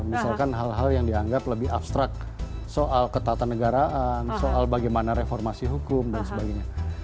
misalkan hal hal yang dianggap lebih abstrak soal ketatanegaraan soal bagaimana reformasi hukum dan sebagainya